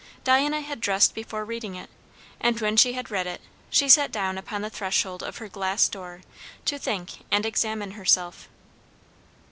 Diana had dressed before reading it; and when she had read it, she sat down upon the threshold of her glass door to think and examine herself.